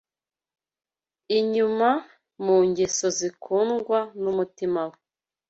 inyuma mu ngeso zikundwa n’umutima we